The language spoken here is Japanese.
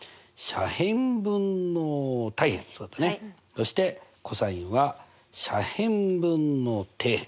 そしてｃｏｓは斜辺分の底辺。